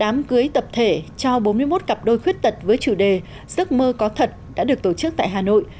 đám cưới tập thể cho bốn mươi một cặp đôi khuyết tật với chủ đề giấc mơ có thật đã được tổ chức tại hà nội